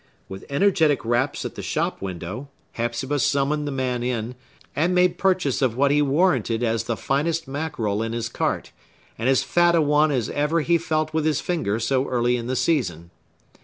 With energetic raps at the shop window, Hepzibah summoned the man in, and made purchase of what he warranted as the finest mackerel in his cart, and as fat a one as ever he felt with his finger so early in the season.